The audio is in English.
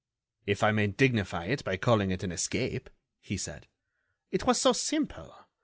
"If I may dignify it by calling it an escape," he said. "It was so simple!